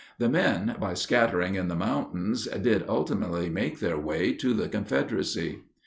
The men, by scattering in the mountains, did ultimately make their way to the Confederacy.